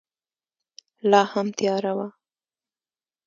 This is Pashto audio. لا هم تیاره وه.